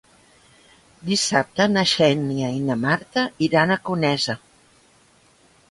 Dissabte na Xènia i na Marta iran a Conesa.